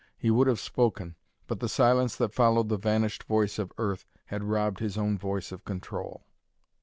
He would have spoken, but the silence that followed the vanished voice of Earth had robbed his own voice of control.